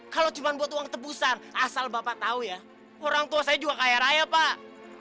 kalau cuma buat uang tebusan asal bapak tahu ya orang tua saya juga kaya raya pak